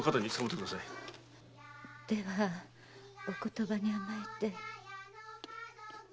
ではお言葉にあまえて。